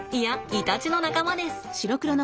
イタチの仲間です。